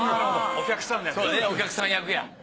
お客さん役や。